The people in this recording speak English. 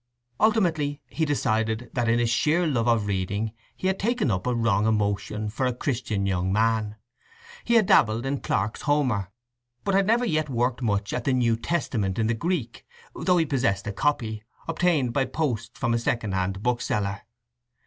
Ultimately he decided that in his sheer love of reading he had taken up a wrong emotion for a Christian young man. He had dabbled in Clarke's Homer, but had never yet worked much at the New Testament in the Greek, though he possessed a copy, obtained by post from a second hand bookseller.